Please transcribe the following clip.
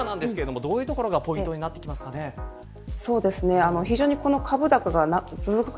馬渕さん今後の株価なんですけれどもどういうところがポイントになってきますかね。